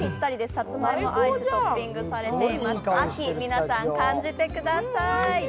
さつまいもアイストッピングされています秋、皆さん、感じてください。